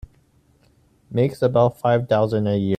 Makes about five thousand a year.